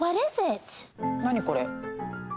何これ？